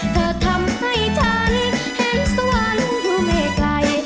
เธอทำให้ฉันเห็นสวรรค์อยู่ไม่ไกล